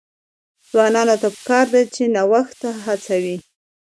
ځوانانو ته پکار ده چې، نوښت هڅوي.